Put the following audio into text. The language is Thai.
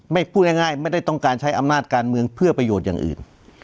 พูดง่ายไม่ได้ต้องการใช้อำนาจการเมืองเพื่อประโยชน์อย่างอื่น